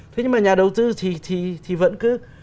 thế nhưng mà nhà đầu tư thì vẫn cứ